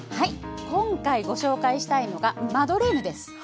今回、ご紹介したいのがマドレーヌです。